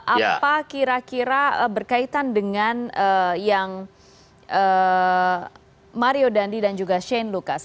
apa kira kira berkaitan dengan yang mario dandi dan juga shane lucas